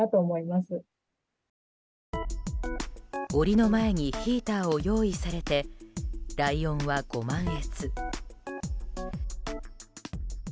檻の前にヒーターを用意されてライオンはご満悦。